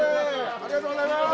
ありがとうございます。